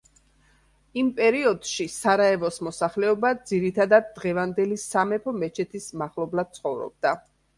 იმ პერიოდში, სარაევოს მოსახლეობა ძირითადად დღევანდელი სამეფო მეჩეთის მახლობლად ცხოვრობდა.